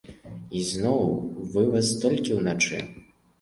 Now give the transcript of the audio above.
Ізноў, вываз толькі ўначы.